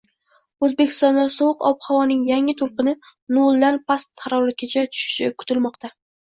Oʻzbekistonda sovuq ob-havoning yangi toʻlqini noldan past haroratgacha tushishi kutilmoqda.